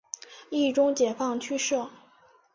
冀中解放区设。